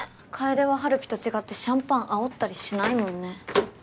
楓ははるぴと違ってシャンパンあおったりしないもんね。